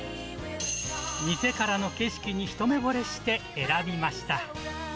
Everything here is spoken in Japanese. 店からの景色に一目ぼれして選びました。